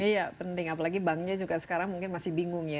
iya penting apalagi banknya juga sekarang mungkin masih bingung ya